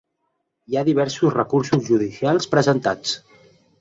Hi ha diversos recursos judicials presentats.